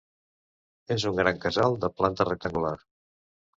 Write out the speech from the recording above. És un gran casal de planta rectangular.